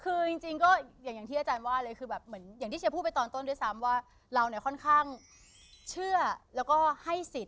คือจริงก็อย่างที่อาจารย์ว่าเลยคือแบบเหมือนอย่างที่เชียร์พูดไปตอนต้นด้วยซ้ำว่าเราเนี่ยค่อนข้างเชื่อแล้วก็ให้สิทธิ